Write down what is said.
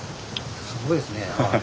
すごいですね。